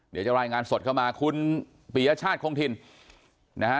เดี๋ยวจะรายงานสดเข้ามาคุณปียชาติคงถิ่นนะฮะ